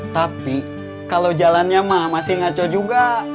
tapi kalau jalannya mah masih ngaco juga